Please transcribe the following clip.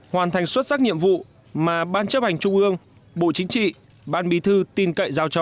hoàn thành xuất sắc nhiệm vụ mà ban chấp hành trung ương bộ chính trị ban bí thư tin cậy giao cho